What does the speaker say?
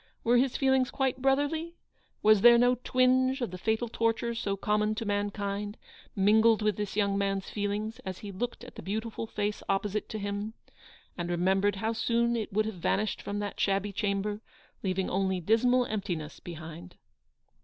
Were his feelings quite brotherly ? was there no twinge of the fatal torture so common to mankind mingled with this young man's feelings as he looked at the beautiful face opposite to him, and remem bered how soon it would have vanished from that shabby chamber, leaving only dismal emptiness behind